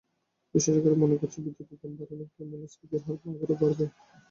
বিশেষজ্ঞরা মনে করছেন, বিদ্যুতের দাম বাড়ানোর ফলে মূল্যস্ফীতির হার আবারও বাড়বে।